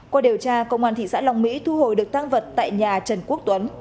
qua điều tra công an thị xã long mỹ thu hồi được tăng vật tại nhà trần quốc tuấn